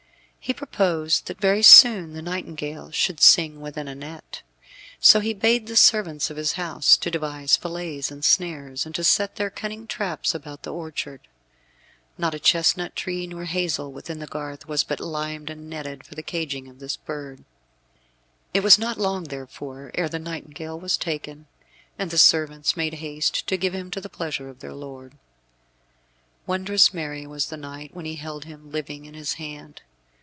He purposed that very soon the nightingale should sing within a net. So he bade the servants of his house to devise fillets and snares, and to set their cunning traps about the orchard. Not a chestnut tree nor hazel within the garth but was limed and netted for the caging of this bird. It was not long therefore ere the nightingale was taken, and the servants made haste to give him to the pleasure of their lord. Wondrous merry was the knight when he held him living in his hand.